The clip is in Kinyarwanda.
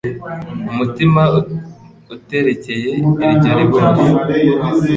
Umutima uterekeye iryo ribori